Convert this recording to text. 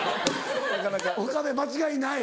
「岡部間違いない」